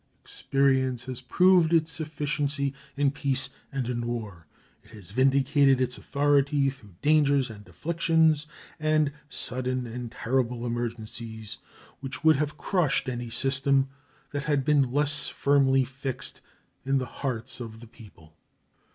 Experience has proved its sufficiency in peace and in war; it has vindicated its authority through dangers and afflictions, and sudden and terrible emergencies, which would have crushed any system that had been less firmly fixed in the hearts of the people.